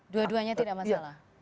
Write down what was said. dua duanya tidak masalah